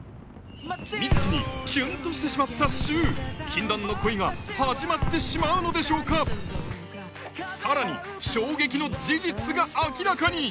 美月にキュンとしてしまった柊禁断の恋が始まってしまうのでしょうかさらに衝撃の事実が明らかに！